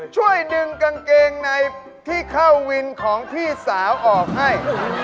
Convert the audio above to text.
ช่วยดึงกางเกงในที่เข้าวินของพี่สาวออกให้